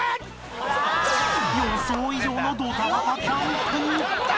予想以上のドタバタキャンプ